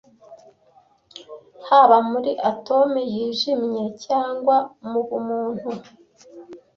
haba muri atome yijimye cyangwa mubumuntu